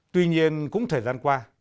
tuy nhiên cũng thời gian qua